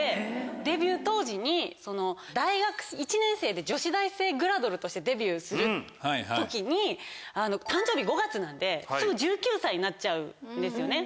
デビュー当時に大学１年生で。としてデビューする時に誕生日５月なんですぐ１９歳になっちゃうんですよね